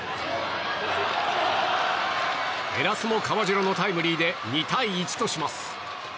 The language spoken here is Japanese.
エラスモ・カバジェロのタイムリーで２対１とします。